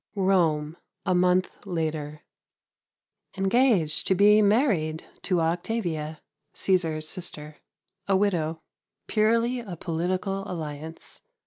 Rome, a month later. Engaged to be married to Octavia, Cæsar's sister, a widow. Purely a political alliance.